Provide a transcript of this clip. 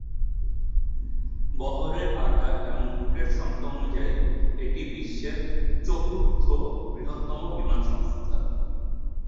বহরের আকার এবং রুটের সংখ্যা অনুযায়ী, এটি বিশ্বের চতুর্থ বৃহত্তম বিমান সংস্থা।